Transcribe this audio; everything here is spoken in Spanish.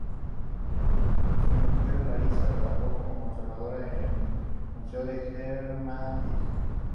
Su mujer, Larissa, trabajó como conservadora en el Museo del Hermitage.